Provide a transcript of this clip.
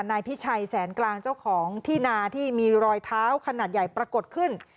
นายพิชัยแสนกลางเจ้าของที่นาที่มีรอยเท้าขนาดใหญ่ปรากฏขึ้น